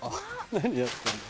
何やってんだ？